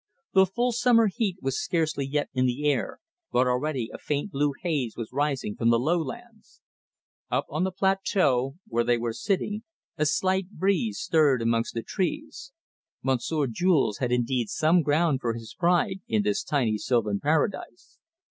The full summer heat was scarcely yet in the air, but already a faint blue haze was rising from the lowlands. Up on the plateau, where they were sitting, a slight breeze stirred amongst the trees; Monsieur Jules had indeed some ground for his pride in this tiny sylvan paradise.